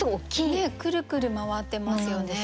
ねえくるくる回ってますよね。